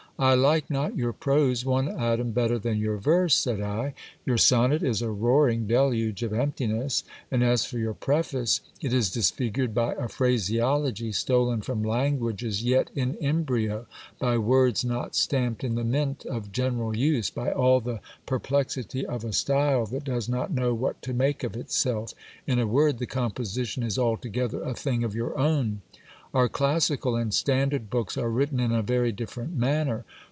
I like not your prose one atom better than your verse, said I. Your sonnet is a roaring deluge of emptiness ; and as for your preface, it is disfigured by a phraseology stolen from languages yet in embryo, bywords not stamped in the mint of general use, by all the perplexity of a style that does not know what to make of itself. In a word, the composition is altogether a thing of your own. Our classical and standard books are written in a very different manner.